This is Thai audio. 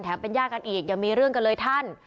แถมเป็นญาติกรรมกันอีกอย่ามีเรื่องกันเลยท่าน